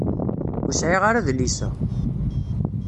Ur sɛiɣ ara adlis-a.